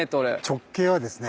直径はですね